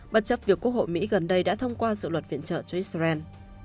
bất chấp việc quốc hội mỹ gần đây đã thông qua dự luật viện trợ cho israel